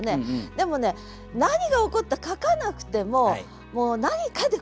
でもね何が起こった書かなくても何かで骨折をした。